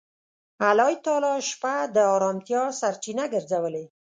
الله تعالی شپه د آرامتیا سرچینه ګرځولې.